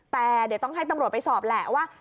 แต่เดี๋ยวต้องให้ตำรวจไปสอบแหละว่า